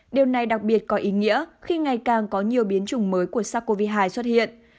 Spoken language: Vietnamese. điều này đặc biệt có ý nghĩa khi ngày càng có nhiều biến chủng mới của sars cov hai xuất hiện